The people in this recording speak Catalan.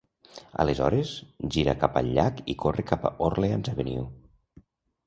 Aleshores, gira cap al llac i corre cap a Orleans Avenue.